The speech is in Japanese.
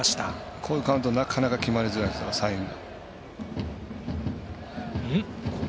こういうカウントなかなか決まりづらいですから、最後。